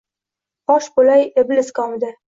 fosh bo’lay iblis komida.